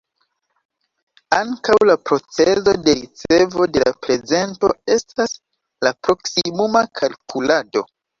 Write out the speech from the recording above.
Ankaŭ la procezo de ricevo de la prezento estas la "proksimuma kalkulado".